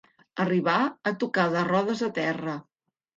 Arribar a tocar de rodes a terra.